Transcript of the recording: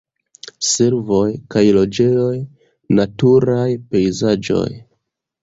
Servoj kaj loĝejoj, naturaj pejzaĝoj.